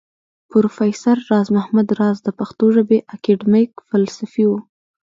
پروفېسر راز محمد راز د پښتو ژبى اکېډمک فلسفى و